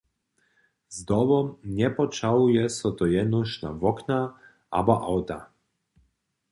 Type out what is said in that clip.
Zdobom njepoćahuje so to jenož na wokna abo awta.